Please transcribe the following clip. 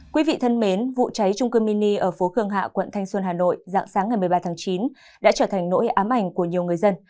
quý vị thân mến vụ cháy trung cư mini ở phố khương hạ quận thanh xuân hà nội dạng sáng ngày một mươi ba tháng chín đã trở thành nỗi ám ảnh của nhiều người dân